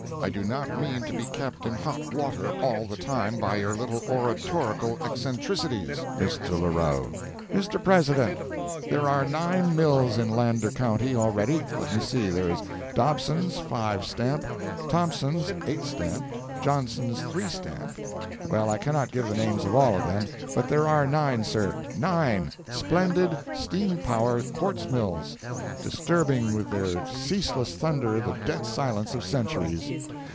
I do not mean to be kept in hot water all the time by your little oratorical eccentricities ." Mr. Larrowe—"Mr. President: There are nine mills in Lander county already—let me see—there is Dobson's, five stamp; Thompson's, eight stamp; Johnson's, three stamp—well, I cannot give the names of all of them, but there are nine, sir—NINE splendid, steam power quartz mills, disturbing with their ceaseless thunder the dead silence of centuries!